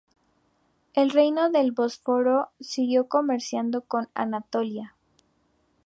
El reino del Bósforo siguió comerciando con Anatolia.